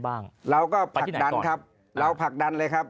ไม่ได้ครับ